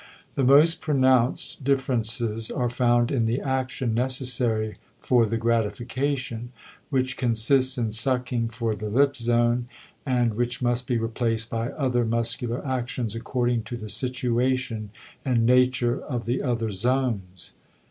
The most pronounced differences are found in the action necessary for the gratification, which consists in sucking for the lip zone and which must be replaced by other muscular actions according to the situation and nature of the other zones.